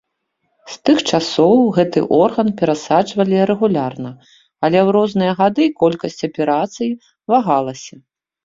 З тых часоў гэты орган перасаджвалі рэгулярна, але ў розныя гады колькасць аперацый вагалася.